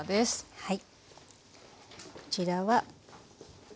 はい。